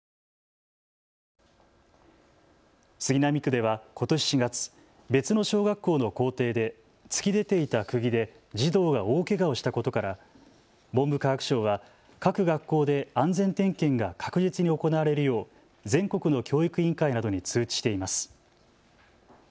杉並区ではことし４月、別の小学校の校庭で突き出ていたくぎで児童が大けがをしたことから文部科学省は各学校で安全点検が確実に行われるよう全国の教育委員会などに通知しています。